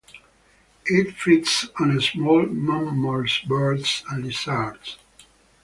It feeds on small mammals, birds, and lizards.